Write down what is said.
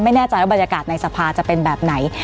ไม่แน่ใจว่าบรรยากาศในสภาจะเป็นแบบไหน